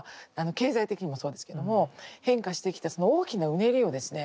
経済的にもそうですけども変化してきたその大きなうねりをですね